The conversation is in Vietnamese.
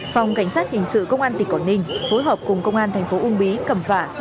phòng cảnh sát hình sự công an tỉnh quảng ninh phối hợp cùng công an thành phố uông bí cầm phả